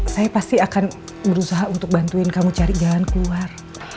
saya pasti akan berusaha untuk bantuin kamu cari jalan keluar